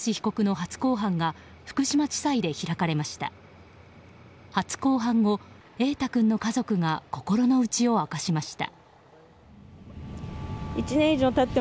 初公判後、瑛大君の家族が心の内を明かしました。